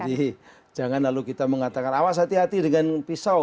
jadi jangan lalu kita mengatakan awas hati hati dengan pisau